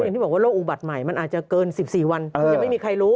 อย่างที่บอกว่าโรคอุบัติใหม่มันอาจจะเกิน๑๔วันคือยังไม่มีใครรู้